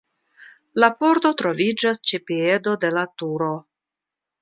La pordo troviĝas ĉe piedo de la turo.